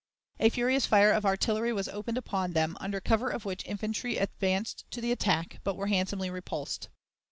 A furious fire of artillery was opened upon them, under cover of which infantry advanced to the attack, but were handsomely repulsed.